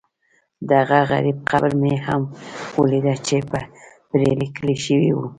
دهغه غریب قبر مې هم ولیده چې پرې لیکل شوي و.